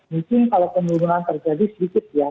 mungkin kalau penurunan terjadi sedikit ya